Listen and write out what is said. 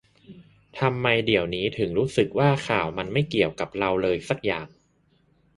ทำไมเดี๋ยวนี้ถึงรู้สึกว่าข่าวมันไม่เกี่ยวกับเราเลยสักอย่าง